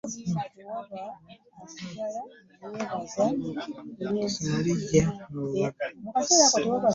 Essomo liggye mu bubaka.